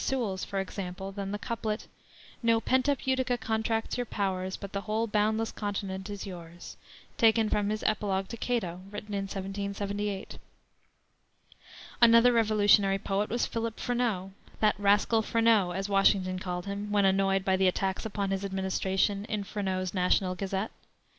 Sewall's, for example, than the couplet, "No pent up Utica contracts your powers, But the whole boundless continent is yours," taken from his Epilogue to Cato, written in 1778. Another Revolutionary poet was Philip Freneau; "that rascal Freneau," as Washington called him, when annoyed by the attacks upon his administration in Freneau's National Gazette.